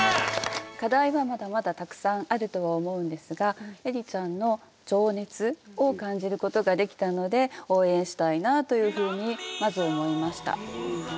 課題はまだまだたくさんあるとは思うんですがえりちゃんの情熱を感じることができたので応援したいなというふうにまず思いました。